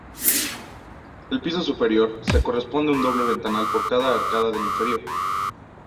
El piso superior, se corresponde un doble ventanal por cada arcada del inferior.